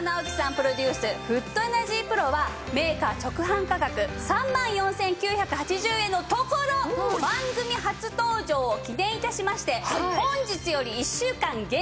プロデュースフットエナジープロはメーカー直販価格３万４９８０円のところ番組初登場を記念致しまして本日より１週間限定